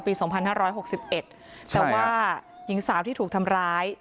ปีสองพันห้าร้อยหกสิบเอ็ดแต่ว่าหญิงสาวที่ถูกทำร้าย